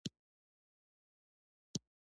بوټونه د غریب او شتمن توپیر نه کوي.